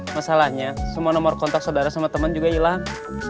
masalahnya semua nomor kontak saudara sama teman juga hilang